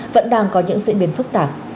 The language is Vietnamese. vẫn đang có những diễn biến phức tạp